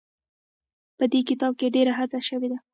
په دې کتاب کې ډېره هڅه شوې ده.